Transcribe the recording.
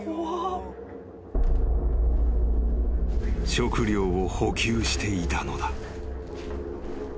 ［食料を補給していたのだ］